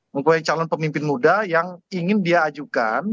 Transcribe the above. mempunyai calon pemimpin muda yang ingin dia ajukan